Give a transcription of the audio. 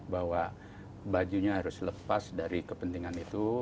bahwa bajunya harus lepas dari kepentingan itu